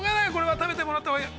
食べてもらったほうがいい。